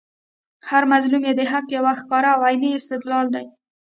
هر مظلوم ئې د حق یو ښکاره او عیني استدلال دئ